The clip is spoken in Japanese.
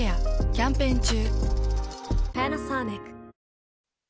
キャンペーン中。